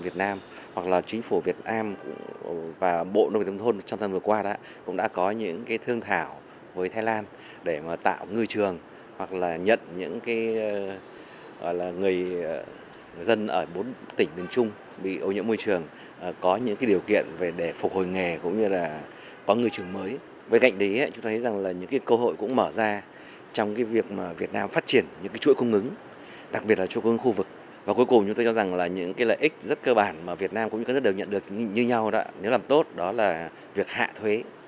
và cuối cùng chúng tôi cho rằng là những lợi ích rất cơ bản mà việt nam cũng như các nước đều nhận được như nhau đó nếu làm tốt đó là việc hạ thuế